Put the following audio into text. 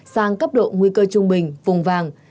sang cấp độ nguy cơ trung bình vùng vàng